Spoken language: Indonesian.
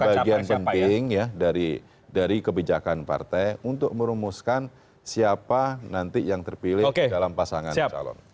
bagian penting ya dari kebijakan partai untuk merumuskan siapa nanti yang terpilih dalam pasangan calon